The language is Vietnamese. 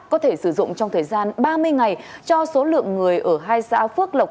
có thể sử dụng trong thời gian ba mươi ngày cho số lượng người ở hai xã phước lộc